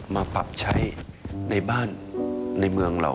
มาปรับใช้ในบ้านในเมืองเรา